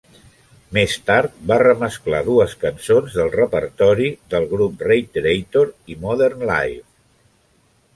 Més tard, va remesclar dues cançons del repertori del grup, "Reiterator" i "Modern Life".